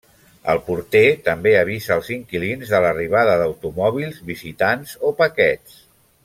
El porter també avisa els inquilins de l'arribada d'automòbils, visitants o paquets.